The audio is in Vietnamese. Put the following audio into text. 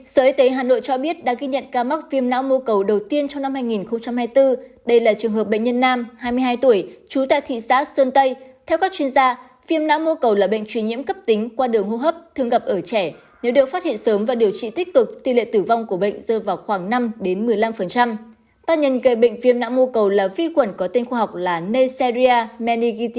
các bạn hãy đăng ký kênh để ủng hộ kênh của chúng mình nhé